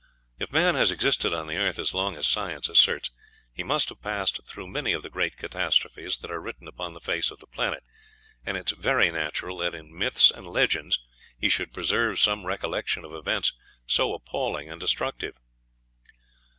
If man has existed on the earth as long as science asserts, he must have passed through many of the great catastrophes which are written upon the face of the planet; and it is very natural that in myths and legends he should preserve some recollection of events so appalling and destructive.